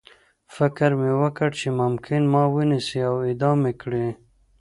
فکر مې وکړ چې ممکن ما ونیسي او اعدام مې کړي